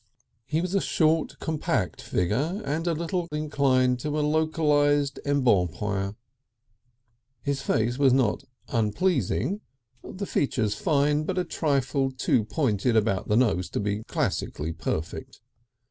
He was a short, compact figure, and a little inclined to a localised embonpoint. His face was not unpleasing; the features fine, but a trifle too pointed about the nose to be classically perfect.